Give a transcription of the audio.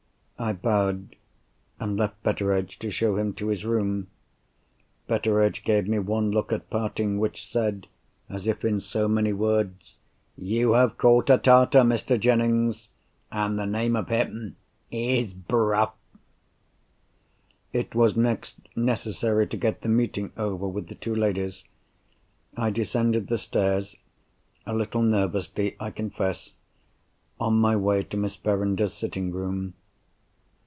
I bowed, and left Betteredge to show him to his room. Betteredge gave me one look at parting, which said, as if in so many words, "You have caught a Tartar, Mr. Jennings—and the name of him is Bruff." It was next necessary to get the meeting over with the two ladies. I descended the stairs—a little nervously, I confess—on my way to Miss Verinder's sitting room.